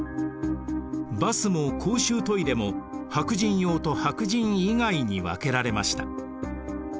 バスも公衆トイレも白人用と白人以外に分けられました。